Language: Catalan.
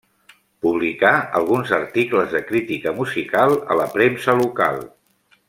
Publicà alguns articles de crítica musical a la premsa local.